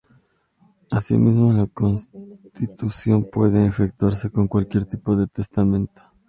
Asimismo la constitución puede efectuarse por cualquier tipo de testamento.